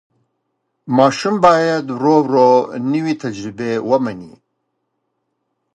ماشوم باید ورو ورو نوې تجربې ومني.